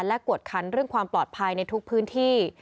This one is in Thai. และกวดคันเรื่องความปลอดภัยในทุกพื้นที่